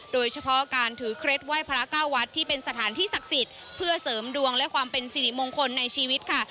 โดยเฉพาะการถือเคล็ดไหว้พระเก้าวัดที่เป็นสถานที่ศักดิ์สิทธิ์เพื่อเสริมดวงและความเป็นสิริมงคลในชีวิตค่ะ